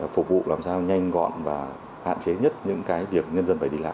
phục vụ làm sao nhanh gọn và hạn chế nhất những cái việc nhân dân phải đi lại